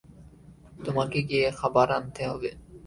তোমাকে গিয়ে খাবার আনতে হবে।